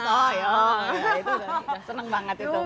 oh ya itu udah seneng banget itu